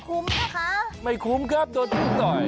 คุ้มนะคะไม่คุ้มครับโดนเพื่องต่อย